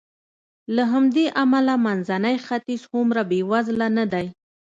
له همدې امله منځنی ختیځ هومره بېوزله نه دی.